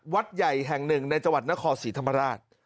วัดใหญ่แห่งหนึ่งในจังหวัดนครศรีธรรมราช